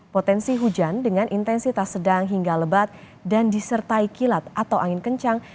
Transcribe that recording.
potensi hujan dengan intensitas sedang hingga lebat dan disertai kilat atau angin kencang